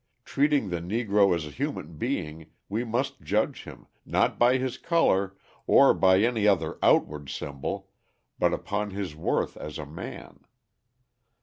Treating the Negro as a human being, we must judge him, not by his colour, or by any other outward symbol, but upon his worth as a man.